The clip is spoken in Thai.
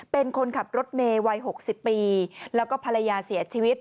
เป็นคนขับรถเมย์วัย๖๐ปีแล้วก็ภรรยาเสียชีวิต